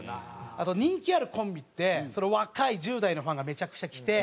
あと人気あるコンビって若い１０代のファンがめちゃくちゃ来て。